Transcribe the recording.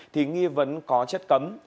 thì nghi vấn có chất cấm